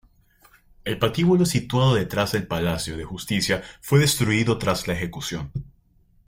El patíbulo situado detrás del Palacio de Justicia fue destruido tras la ejecución.